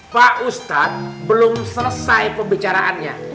pak ustadz belum selesai pembicaraannya